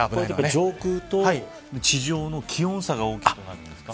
上空と地上の気温差が大きくなるんですか。